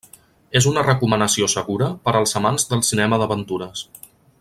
És una recomanació segura per als amants del cinema d'aventures.